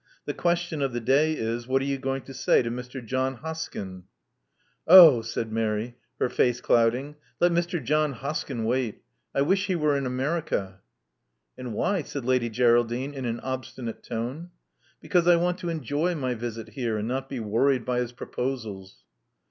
The question of the day is, what are you going to say to Mr. John Hoskyn?" 0h!" said Mary, her face clouding. *'Let Mr. John Hoskyn wait. I wish he were in America." And why?" said Lady Geraldine in an obstinate tone. *' Because I want to enjoy my visit here and not be worried by his proposals."